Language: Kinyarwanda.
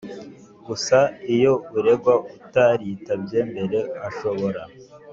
gusa iyo uregwa utaritabye mbere ashobora